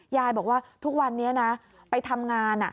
ยายบอกว่าทุกวันนี้นะไปทำงาน